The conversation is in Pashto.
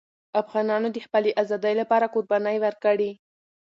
افغانانو د خپلې آزادۍ لپاره قربانۍ ورکړې.